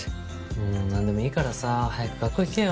もう何でもいいからさ早く学校行けよ。